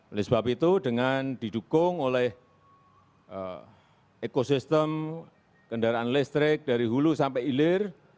oleh sebab itu dengan didukung oleh ekosistem kendaraan listrik dari hulu sampai hilir